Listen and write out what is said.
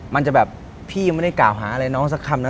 มันจะแบบพี่ยังไม่ได้กล่าวหาอะไรน้องสักคำนะ